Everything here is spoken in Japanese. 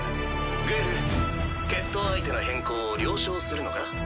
グエル決闘相手の変更を了承するのか？